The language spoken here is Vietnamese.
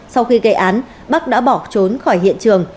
sau khi gây án bắc đã bỏ trốn khỏi hiện trường